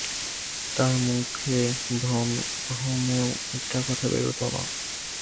তাঁর শ্রীমুখে ভ্রমেও মিথ্যা কথা বেরুত না।